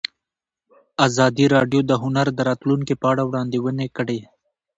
ازادي راډیو د هنر د راتلونکې په اړه وړاندوینې کړې.